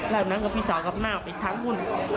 รากน้ำกับพี่สาวกับหน้าออกไปทั้งหุ้น